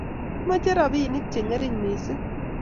Kimoche robinik che ngering missing